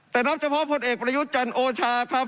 แต่นับเฉพาะผลเอกประยุทธ์จันทร์โอชาครับ